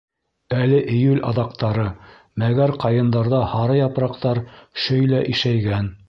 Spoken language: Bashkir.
Әле июль аҙаҡтары, мәгәр ҡайындарҙа һары япраҡтар шөйлә ишәйгән.